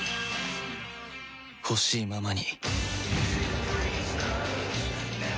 ほしいままに